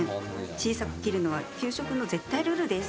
小さく切るのは給食の絶対ルールです。